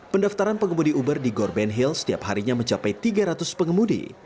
pendaftaran pengemudi uber di gor ben hill setiap harinya mencapai tiga ratus pengemudi